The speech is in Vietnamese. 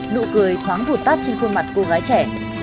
nụ cười thoáng vụt tát trên khuôn mặt cô gái trẻ